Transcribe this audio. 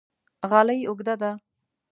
غالۍ اوږده ده